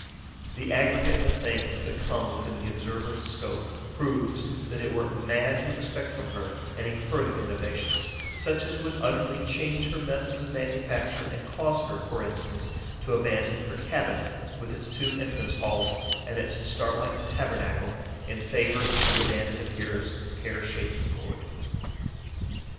The aggregate of things that come within the observer's scope proves that it were mad to expect from her any further innovations, such as would utterly change her methods of manufacture and cause her, for instance, to abandon her cabin, with its two entrance halls and its star like tabernacle, in favour of the Banded Epeira's pear shaped gourd.